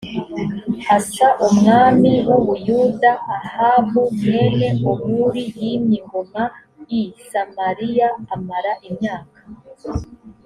asa umwami w u buyuda ahabu mwene omuri yimye ingoma i samariya amara imyaka